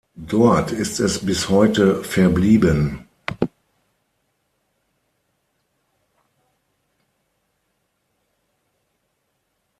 Dort ist es bis heute verblieben.